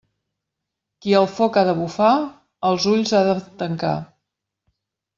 Qui al foc ha de bufar, els ulls ha de tancar.